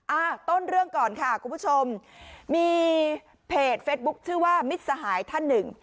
อ่าต้นเรื่องก่อนค่ะคุณผู้ชมมีเพจเฟสบุ๊คชื่อว่ามิตรสหายท่านหนึ่ง